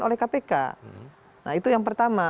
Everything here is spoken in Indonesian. oleh kpk nah itu yang pertama